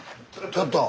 ちょっと。